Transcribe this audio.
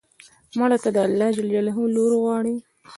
مړه ته د الله ج لور غواړو